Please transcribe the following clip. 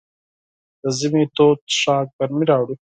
د ژمي تود څښاک ګرمۍ راوړي.